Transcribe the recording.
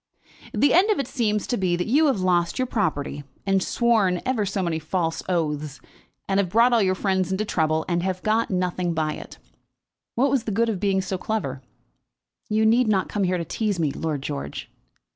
"The end of it seems to be that you have lost your property, and sworn ever so many false oaths, and have brought all your friends into trouble, and have got nothing by it. What was the good of being so clever?" "You need not come here to tease me, Lord George."